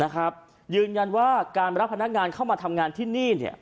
ยืนยันว่าการรับพนักงานเข้ามาทำงานที่นี่